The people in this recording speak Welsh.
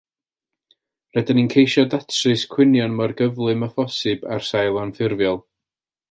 Rydyn ni'n ceisio datrys cwynion mor gyflym â phosib ar sail anffurfiol